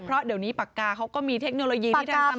เพราะเดี๋ยวนี้ปากกาเขาก็มีเทคโนโลยีที่ท่านทำ